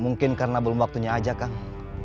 mungkin karena belum waktunya aja kang